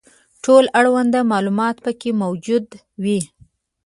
ټول اړوند معلومات پکې موجود وي.